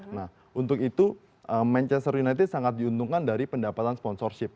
nah untuk itu manchester united sangat diuntungkan dari pendapatan sponsorship